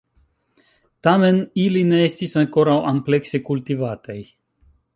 Tamen, ili ne estis ankoraŭ amplekse kultivataj.